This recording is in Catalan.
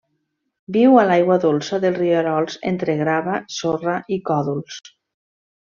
Viu a l'aigua dolça dels rierols entre grava, sorra i còdols.